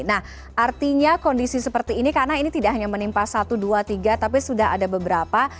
nah artinya kondisi seperti ini karena ini tidak hanya menimpa satu dua tiga tapi sudah ada beberapa